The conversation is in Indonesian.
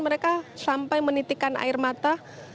mereka sampai menitikan air mata